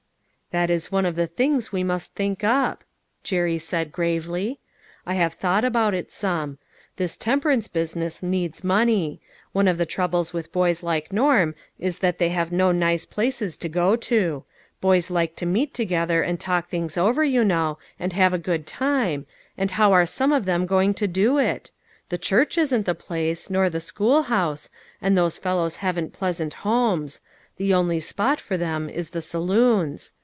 " That is one of the things we must think up," Jerry said gravely. "I have thought about it some. This temperance business needs money. One of the troubles with boys like Norm is that they have no nice places to go to. Boys like to meet together and talk things over, you know, and have a good time, and how are some of them going to do it? The church isn't the place, nor the schoolhouse, and those fellows haven't pleas ant homes ; the only spot for them is the saloons.